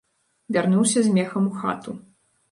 Вярнуўся з мехам у хату.